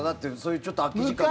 ちょっと空き時間とかに。